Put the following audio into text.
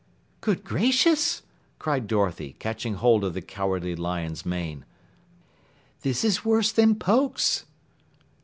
"Good gracious!" cried Dorothy, catching hold of the Cowardly Lion's mane. "This is worse than Pokes!"